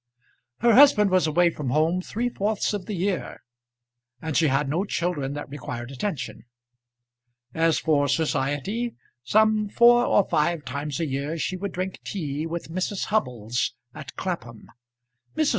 Her husband was away from home three fourths of the year, and she had no children that required attention. As for society, some four or five times a year she would drink tea with Mrs. Hubbles at Clapham. Mrs.